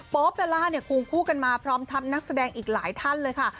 ปเบลล่าเนี่ยควงคู่กันมาพร้อมทัพนักแสดงอีกหลายท่านเลยค่ะ